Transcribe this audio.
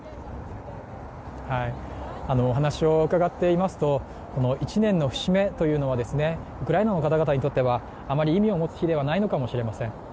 お話を伺っていますと１年の節目というのはウクライナの方々にとってはあまり意味を持つ日ではないのかもしれません。